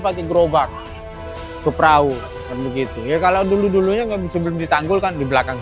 pakai grovak ke perahu begitu ya kalau dulu dulunya nggak bisa ditanggulkan di belakang